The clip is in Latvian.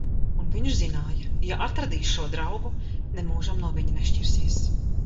Un viņš zināja: ja atradīs šo draugu, nemūžam no viņa nešķirsies.